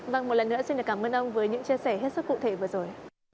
vâng một lần nữa xin cảm ơn ông với những chia sẻ hết sức cụ thể vừa rồi